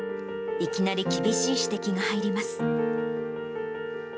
いきなり厳しい指摘が入ります。